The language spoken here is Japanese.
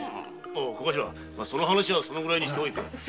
小頭その話はそのぐらいにして。